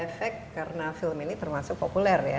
dampak atau efek karena film ini termasuk populer ya